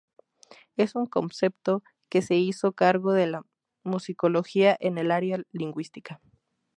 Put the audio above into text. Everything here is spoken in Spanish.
Es un concepto que se hizo cargo de la musicología en el área lingüística.